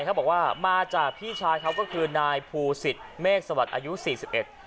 เขาบอกว่ามาจากพี่ชายเขาก็คือนายภูศิษฐเมฆสวัสดิ์อายุสี่สิบเอ็ด